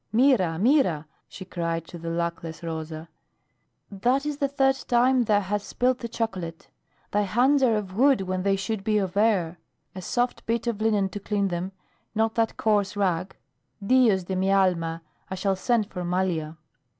"Mira! Mira!" she cried to the luckless Rosa. "That is the third time thou hast spilt the chocolate. Thy hands are of wood when they should be of air. A soft bit of linen to clean them, not that coarse rag. Dios de mi alma! I shall send for Malia."